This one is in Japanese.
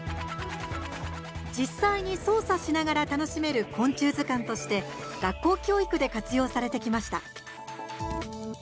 実際に操作しながら楽しめる昆虫図鑑として学校教育で活用されてきました。